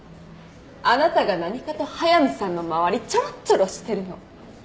あなたが何かと速見さんの周りちょろちょろしてるの。